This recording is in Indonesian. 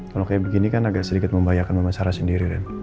kalau kayak begini kan agak sedikit membahayakan sama sarah sendiri kan